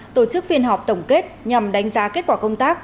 tổ chức phiên họp tổng kết nhằm đánh giá kết quả công tác